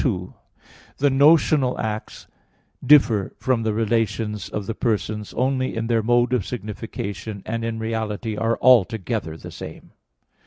2: The notional acts differ from the relations of the persons only in their mode of signification; and in reality are altogether the same.